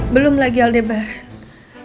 belum lagi aldebaran